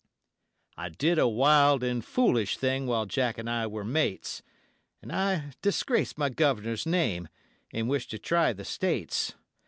'I did a wild and foolish thing while Jack and I were mates, And I disgraced my guv'nor's name, an' wished to try the States.